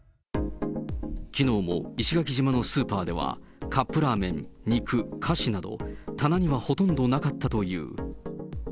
きのうも石垣島のスーパーでは、カップラーメン、肉、菓子など、棚にはほとんどなかったという。